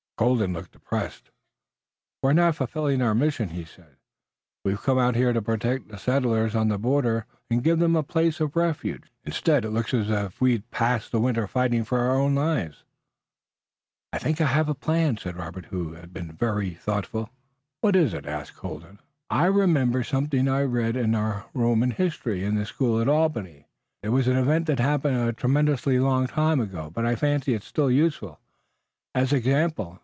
Colden looked depressed. "We're not fulfilling our mission," he said. "We've come out here to protect the settlers on the border, and give them a place of refuge. Instead, it looks as if we'd pass the winter fighting for our own lives." "I think I have a plan," said Robert, who had been very thoughtful. "What is it?" asked Colden. "I remember something I read in our Roman history in the school at Albany. It was an event that happened a tremendously long time ago, but I fancy it's still useful as an example.